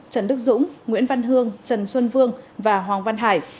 trần đức dũng nguyễn văn hương trần xuân vương và hoàng văn hải